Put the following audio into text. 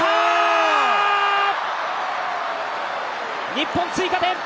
日本、追加点！